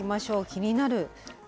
気になる。